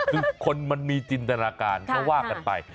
คือคนมันมีจินตนาการก็ว่ากันไป